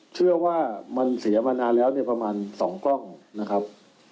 เชื่อว่ามันเสียมานานแล้วเนี่ยประมาณ๒กล้องนะครับ